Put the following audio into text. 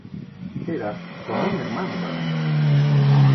Era como un hermano para mí.